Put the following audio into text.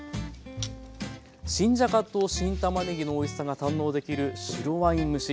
新じゃがと新たまねぎのおいしさが堪能できる白ワイン蒸し。